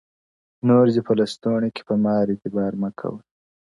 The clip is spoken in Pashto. نور دي په لستوڼي کي په مار اعتبار مه کوه-